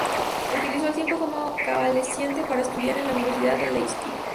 Utilizó el tiempo como convaleciente para estudiar en la Universidad de Leipzig.